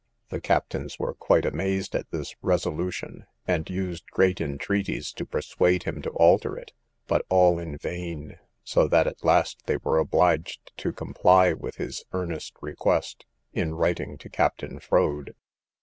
The captains were quite amazed at this resolution, and used great entreaties to persuade him to alter it, but all in vain; so that at last they were obliged to comply with his earnest request, in writing to Captain Froade.